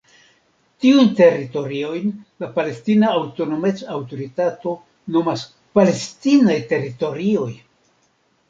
Tiujn teritoriojn la Palestina Aŭtonomec-Aŭtoritato nomas "palestinaj teritorioj".